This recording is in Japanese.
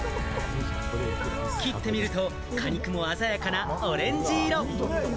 切ってみると果肉も鮮やかなオレンジ色。